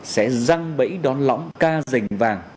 sẽ răng bẫy đón lõng ca dành vàng